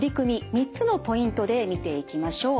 ３つのポイントで見ていきましょう。